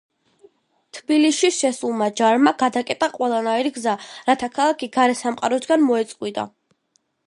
თბილისში შესულმა ჯარმა გადაკეტა ყველანაირი გზა, რათა ქალაქი გარე სამყაროსაგან მოეწყვიტა.